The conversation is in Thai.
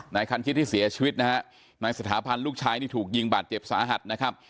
คันชิดที่เสียชีวิตนะฮะนายสถาพันธ์ลูกชายนี่ถูกยิงบาดเจ็บสาหัสนะครับ